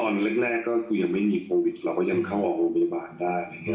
เราก็ยังเข้าอบบริบาลได้